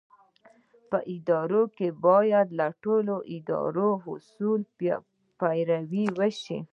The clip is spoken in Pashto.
په ادارو کې باید له ټولو اداري اصولو پیروي وشي.